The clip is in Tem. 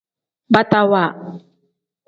Batawa.